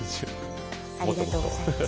ありがとうございます。